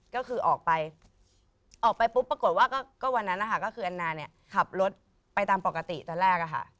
ก็คือออกไปออกไปปุ๊บปรากฏว่าก็วันนั้นนะคะก็คือแอนนาเนี่ยขับรถไปตามปกติตอนแรกอะค่ะ